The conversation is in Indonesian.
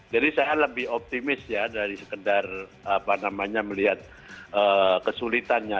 jadi saya lebih optimis ya dari sekedar melihat kesulitannya